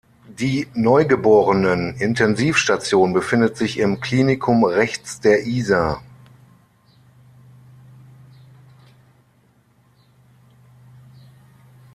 Die Neugeborenen-Intensivstation befindet sich im Klinikum rechts der Isar.